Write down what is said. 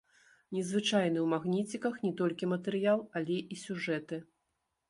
Незвычайны ў магніціках не толькі матэрыял, але і сюжэты.